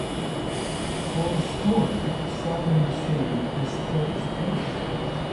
For the story, Simon received a Sports Emmy.